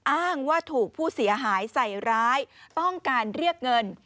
อ้างว่าถูกผู้เสียหายใส่ร้ายต้องการเรียกเงิน